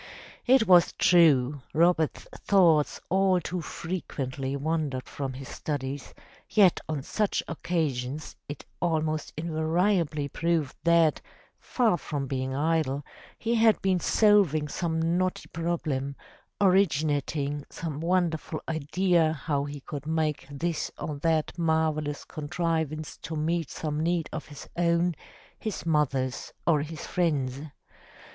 It was true Robert's thoughts all too frequently wandered from his studies, yet on such occasions it almost invariably proved that, far from being idle, he had been 396 THE TREASURE CHEST solving some knotty problem, originating some wonderful idea how he could make this or that marvelous contrivance to meet some need of his own, his mother's or his friends'.